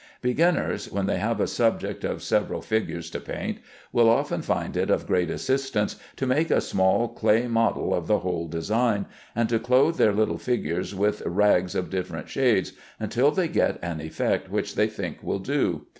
Beginners (when they have a subject of several figures to paint) will often find it of great assistance to make a small clay model of the whole design, and to clothe their little figures with rags of different shades, until they get an effect which they think will do.